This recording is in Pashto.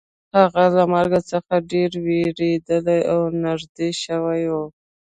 هغه له مرګ څخه ډیر ویریدلی او نږدې شوی و